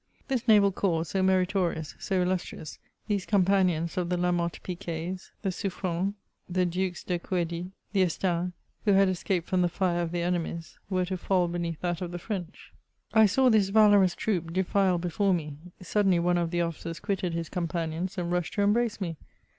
This naval corps so meritorious, so illus trious, these companions of the L>amothe Piquets, the Suffrens, the Dukes De Couedies, the Estaings, who had escaped from the Are of their enemies, were to £eJ1 beneath that of the French. I saw this valorous troop defile before me : suddenly one of the officers quitted his companions, and rushed to embrace me.